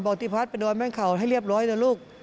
บอกตีพรรดิไปด่วนแม่เขาให้เรียบร้อยนะลูก